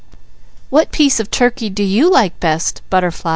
What piece of turkey do you like best, Butterfly?"